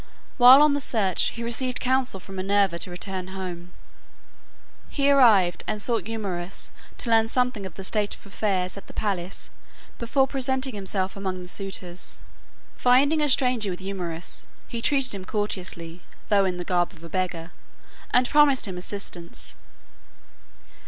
While on the search, he received counsel from Minerva to return home. He arrived and sought Eumaeus to learn something of the state of affairs at the palace before presenting himself among the suitors. Finding a stranger with Eumaeus, he treated him courteously, though in the garb of a beggar, and promised him assistance.